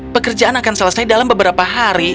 pekerjaan akan selesai dalam beberapa hari